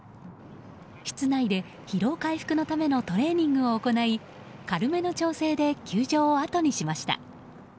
室内で疲労回復のためのトレーニングを行い軽めの調整で球場をあとにしました。